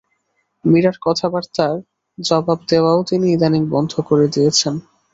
মীরার কথাবাতাঁর জবাব দেওয়াও তিনি ইদানীং বন্ধ করে দিয়েছেন।